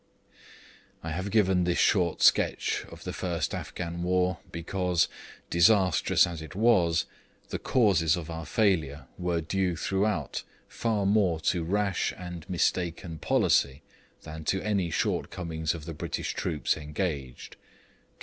I have given this short sketch of the first Afghan war because, disastrous as it was, the causes of our failure were due throughout far more to rash and mistaken policy than to any shortcomings of the British troops engaged.